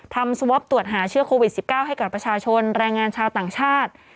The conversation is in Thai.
สวอปตรวจหาเชื้อโควิด๑๙ให้กับประชาชนแรงงานชาวต่างชาติ